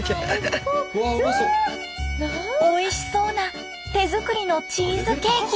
おいしそうな手作りのチーズケーキ。